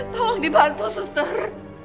tolong dibantu sustan